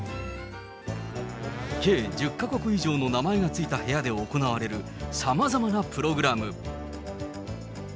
計１０か国以上の名前が付いた部屋で行われるさまざまなプログラム。